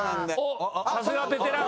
さすがベテラン！